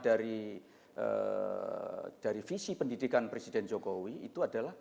dari visi pendidikan presiden jokowi itu adalah